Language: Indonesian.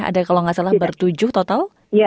ada kalau nggak salah bertujuh total